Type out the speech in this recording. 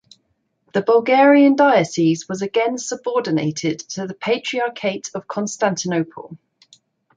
The Bulgarian diocese was again subordinated to the Patriarchate of Constantinople.